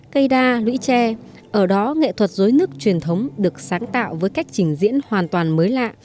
cây đa lũy tre ở đó nghệ thuật dối nước truyền thống được sáng tạo với cách trình diễn hoàn toàn mới lạ